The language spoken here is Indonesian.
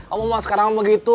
omong omong sekarang begitu